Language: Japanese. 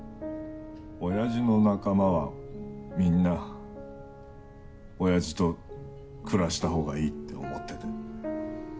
おやじの仲間はみんなおやじと暮らしたほうがいいって思ってて。